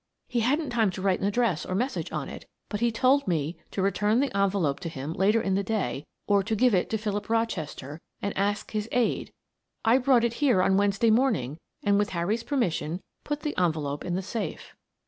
"He hadn't time to write an address or message on it, but he told me to return the envelope to him later in the day or give it to Philip Rochester and ask his aid. I brought it here on Wednesday morning and with Harry's permission put the envelope in the safe."